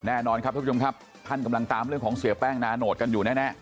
แน่นอนครับท่านผู้ชมครับท่านกำลังตามเรื่องของเสียแป้งนาโนตกันอยู่แน่